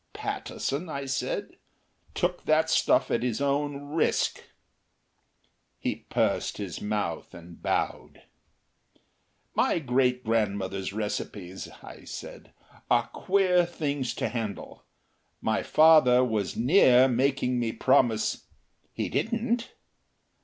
"Pattison," I said, "took that stuff at his own risk." He pursed his mouth and bowed. "My great grandmother's recipes," I said, "are queer things to handle. My father was near making me promise " "He didn't?"